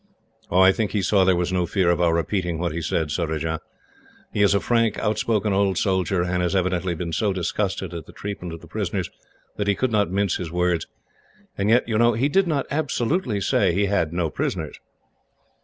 "I think he saw there was no fear of our repeating what he said, Surajah. He is a frank, outspoken old soldier, and has evidently been so disgusted at the treatment of the prisoners that he could not mince his words; and yet, you know, he did not absolutely say that he had no prisoners."